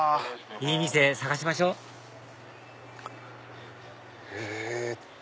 いい店探しましょうえっと